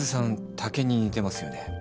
竹に似てますよね。